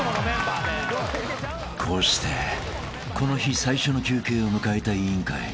［こうしてこの日最初の休憩を迎えた『委員会』］